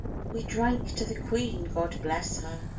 We've drunk to the Queen God bless her!